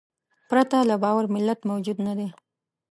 پرته له باور ملت موجود نهدی.